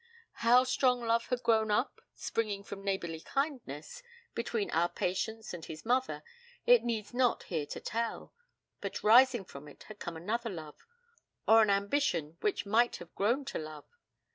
How strong love had grown up, springing from neighbourly kindness, between our Patience and his mother, it needs not here to tell; but rising from it had come another love or an ambition which might have grown to love.